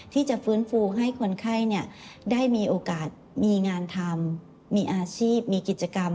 ที่จะฟื้นฟูให้คนไข้ได้มีโอกาสมีงานทำมีอาชีพมีกิจกรรม